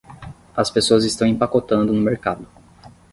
As pessoas estão empacotando no mercado.